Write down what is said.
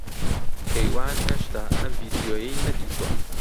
کەیوان ھێشتا ئەم ڤیدیۆیەی نەدیتووە.